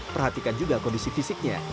perhatikan juga kondisi fisiknya